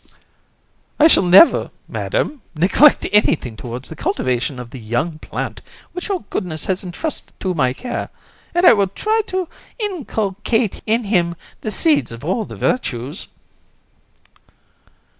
BOB. I shall never, Madam, neglect anything towards the cultivation of the young plant which your goodness has entrusted to my care, and I will try to inculcate in him the seeds of all the virtues.